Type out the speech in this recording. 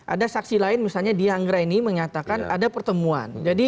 ada saksi lain misalnya dian greini mengatakan ada pertemuan